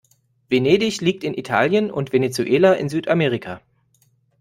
Venedig liegt in Italien und Venezuela in Südamerika.